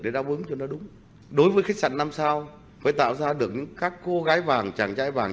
để đáp ứng cho nó đúng đối với khách sạn năm sao phải tạo ra được các cô gái vàng chàng trai vàng